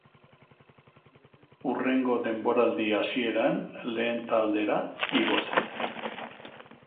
Hurrengo denboraldi hasieran lehen taldera igo zen.